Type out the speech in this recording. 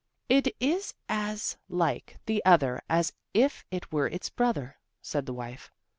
"It is as like the other as if it were its brother," said the wife.